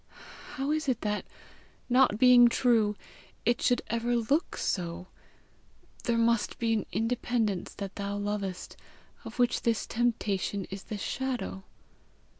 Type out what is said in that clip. How is it that, not being true, it should ever look so? There must be an independence that thou lovest, of which this temptation is the shadow!